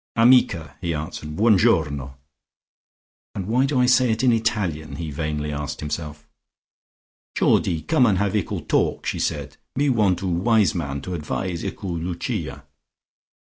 "Amica!" he answered. "Buon Giorno." ("And why do I say it in Italian?" he vainly asked himself.) "Geordie, come and have ickle talk," she said. "Me want 'oo wise man to advise ickle Lucia."